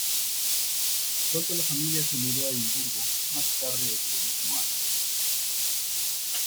Pronto la familia se mudó a Edimburgo más tarde ese mismo año.